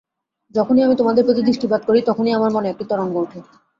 যখনই আমি তোমাদের প্রতি দৃষ্টিপাত করি, তখনই আমার মনে একটি তরঙ্গ উঠে।